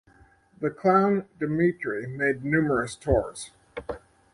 The clown Dimitri made numerous tours.